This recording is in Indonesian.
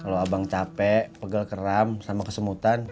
kalo abang capek pegal keram sama kesemutan